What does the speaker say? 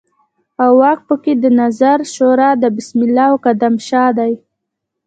او واک په کې د نظار شورا د بسم الله او قدم شاه دی.